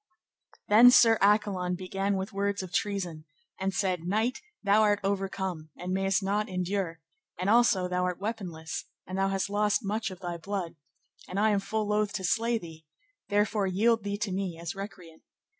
Then Sir Accolon began with words of treason, and said, Knight, thou art overcome, and mayst not endure, and also thou art weaponless, and thou hast lost much of thy blood, and I am full loath to slay thee, therefore yield thee to me as recreant.